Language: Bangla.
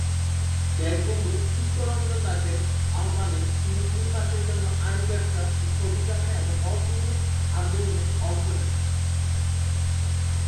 দেশবন্ধু চিত্তরঞ্জন দাশের আহ্বানে তিনি তিন মাসের জন্য আইন ব্যবসা স্থগিত রাখেন এবং অসহযোগ আন্দোলনে অংশ নেন।